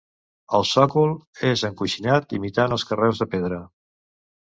El sòcol és encoixinat imitant els carreus de pedra.